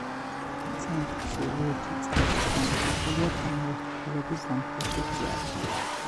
ცენტრში, ლურჯ წრეში, გამოსახულია თანავარსკვლავედი სამხრეთის ჯვარი.